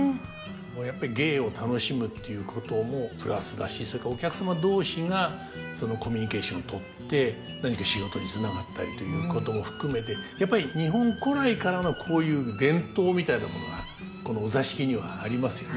やっぱり芸を楽しむっていうこともプラスだしお客様同士がコミュニケーションを取って何か仕事につながったりということも含めてやっぱり日本古来からのこういう伝統みたいなものがこのお座敷にはありますよね。